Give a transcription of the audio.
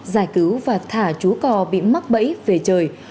giải cứu và thả chú cò bị mắc bẫy về trời